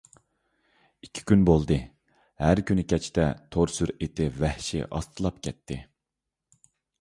ئىككى كۈن بولدى، ھەر كۈنى كەچتە تور سۈرئىتى ۋەھشىي ئاستىلاپ كەتتى.